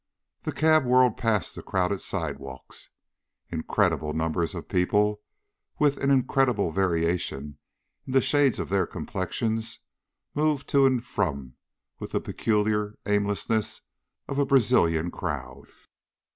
The cab whirled past the crowded sidewalks. Incredible numbers of people, with an incredible variation in the shades of their complexions, moved to and from with the peculiar aimlessness of a Brazilian crowd.